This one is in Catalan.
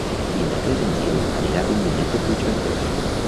Dimecres en Gil anirà a Avinyonet de Puigventós.